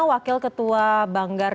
wakil ketua banggar